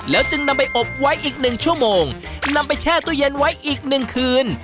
จึงนำไปอบไว้อีกหนึ่งชั่วโมงนำไปแช่ตู้เย็นไว้อีกหนึ่งคืน